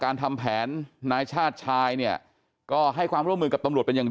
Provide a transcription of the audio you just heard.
ทำแผนนายชาติชายเนี่ยก็ให้ความร่วมมือกับตำรวจเป็นอย่าง